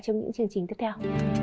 trong những chương trình tiếp theo